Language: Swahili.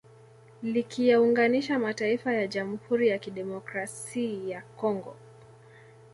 Likiyaunganisha mataifa ya Jamhuri ya Kidemokrasi ya Kongo